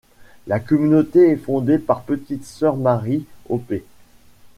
La communauté est fondée par Petite Sœur Marie, o.p.